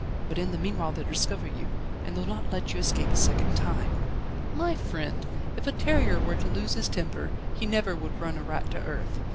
"But in the meanwhile they'll discover you, and they'll not let you escape a second time." "My friend! if a terrier were to lose his temper, he never would run a rat to earth.